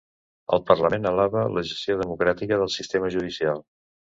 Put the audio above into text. El parlament alaba la gestió democràtica del sistema judicial